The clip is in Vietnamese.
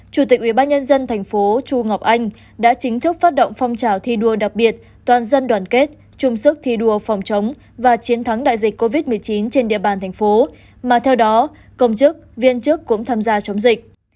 chủ tịch ubnd tp chu ngọc anh đã chính thức phát động phong trào thi đua đặc biệt toàn dân đoàn kết chung sức thi đua phòng chống và chiến thắng đại dịch covid một mươi chín trên địa bàn thành phố mà theo đó công chức viên chức cũng tham gia chống dịch